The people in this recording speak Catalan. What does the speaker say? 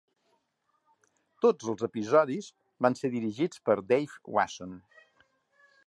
Tots els episodis van ser dirigits per Dave Wasson.